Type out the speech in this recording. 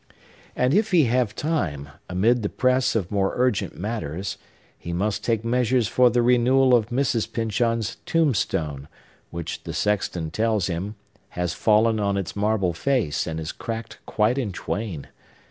And if he have time, amid the press of more urgent matters, he must take measures for the renewal of Mrs. Pyncheon's tombstone, which, the sexton tells him, has fallen on its marble face, and is cracked quite in twain.